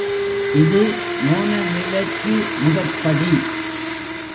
இது மோன நிலைக்கு முதற்படி.